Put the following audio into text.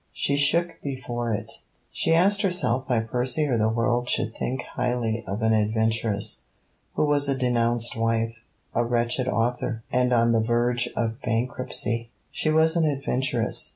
She shook before it. She asked herself why Percy or the world should think highly of an adventuress, who was a denounced wife, a wretched author, and on the verge of bankruptcy. She was an adventuress.